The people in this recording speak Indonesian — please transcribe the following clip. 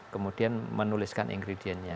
kemudian menuliskan ingredientnya